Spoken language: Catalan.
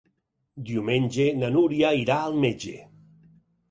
Diumenge na Núria irà al metge.